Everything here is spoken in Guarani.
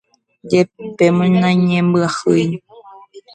jepémo naiñembyahýi